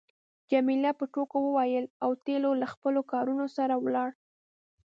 جميله په ټوکو وویل اوتیلو له خپلو کارونو سره ولاړ.